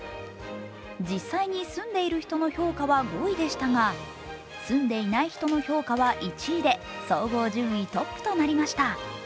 実際に住んでいる人の評価は５位でしたが、住んでいない人の評価は１位で総合順位トップとなりました。